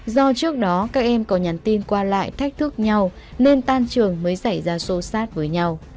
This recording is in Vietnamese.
do trước đó các em có nhắn tin qua lại thách thức nhau nên tan trường mới xảy ra xô xát với nhau